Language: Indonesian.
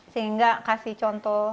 sehingga kasih contoh